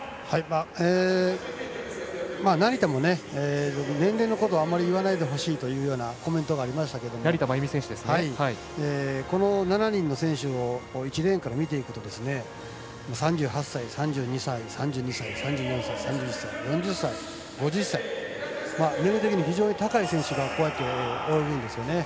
成田も年齢のことはあまり言わないでほしいというコメントがありましたけどこの７人の選手を１レーンから見ていくと３８歳、３２歳、３２歳３４歳、３１歳、４０歳５０歳と年齢的に非常に高い選手が泳いでいるんですよね。